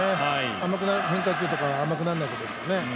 甘くない変化球とか甘くならないといいですよね。